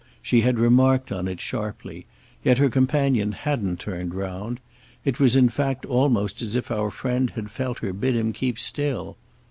She had remarked on it sharply, yet her companion hadn't turned round; it was in fact almost as if our friend had felt her bid him keep still.